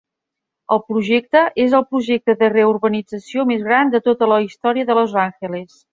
El projecte és el projecte de reurbanització més gran de tota la història de Los Angeles.